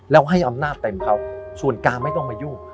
แล้วให้อำนาจเต็มเขาส่วนกลางไม่ต้องมายุ่ง